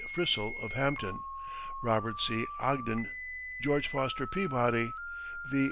Frissell of Hampton, Robert C. Ogden, George Foster Peabody, V.